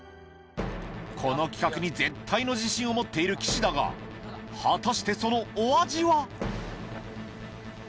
この企画に絶対の自信を持っている岸だが果たしてそのお味は？